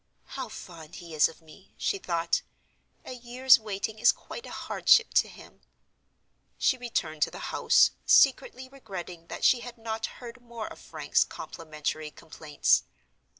"How fond he is of me!" she thought. "A year's waiting is quite a hardship to him." She returned to the house, secretly regretting that she had not heard more of Frank's complimentary complaints.